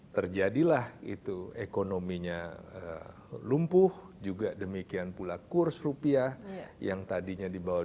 terjadilah itu ekonominya lumpuh juga demikian pula kurs rupiah yang tadinya di bawah dua ribu